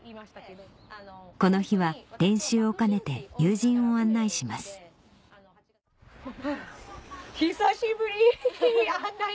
この日は練習を兼ねて友人を案内しますあ結構。